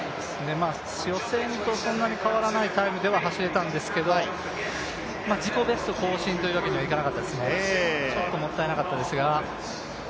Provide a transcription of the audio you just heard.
予選とそんなに変わらないタイムでは走れたんですけど自己ベスト更新というわけにはいかなかったですね、ちょっともったいなかったですが。